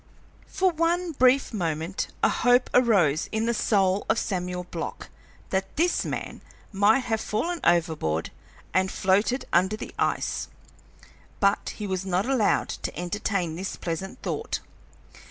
For one brief moment a hope arose in the soul of Samuel Block that this man might have fallen overboard and floated under the ice, but he was not allowed to entertain this pleasant thought.